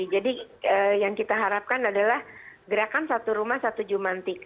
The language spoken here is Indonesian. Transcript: jadi yang kita harapkan adalah gerakan satu rumah satu jumanpic